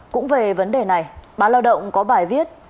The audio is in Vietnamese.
cũng về vấn đề này báo lao động có bài viết